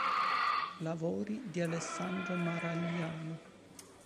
Lavori di Alessandro Maragliano